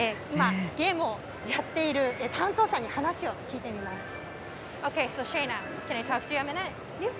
今、ゲームをやっている担当者に話を聞いてみます。